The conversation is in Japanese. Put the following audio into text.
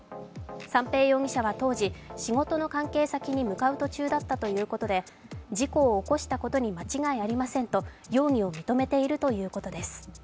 三瓶容疑者は当時、仕事の関係先に向かう途中だったということで事故を起こしたことに間違いありませんと容疑を認めているということです。